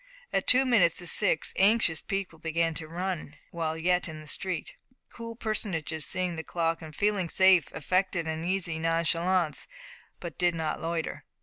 At two minutes to six anxious people began to run while yet in the street. Cool personages, seeing the clock, and feeling safe, affected an easy nonchalance, but did not loiter.